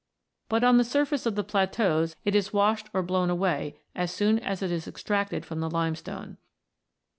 But on the surface of the plateaus it is washed or blown away as soon as it is extracted from the limestone.